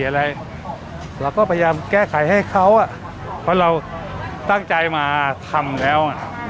เราก็พยายามแก้ไขให้เขาอ่ะเพราะเราตั้งใจมาทำแล้ว